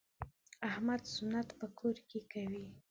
احمد سنت په کور کې کوي.